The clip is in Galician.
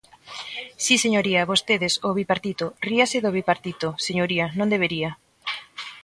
Si, señoría, vostedes, o Bipartito; ríase do Bipartito, señoría, non debería.